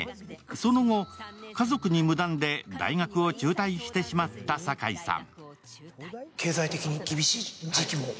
その後、家族に無断で大学を中退してしまった堺さん。